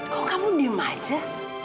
kok kamu dimaja